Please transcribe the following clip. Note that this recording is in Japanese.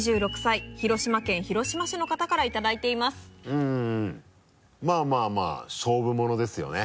うんまぁまぁ勝負ものですよね。